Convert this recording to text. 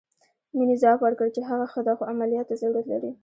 مينې ځواب ورکړ چې هغه ښه ده خو عمليات ته ضرورت لري.